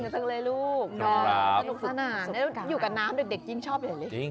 สนุกสนานอยู่กับน้ำเด็กชอบเลย